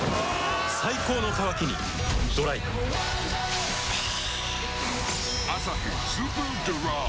最高の渇きにＤＲＹ「アサヒスーパードライ」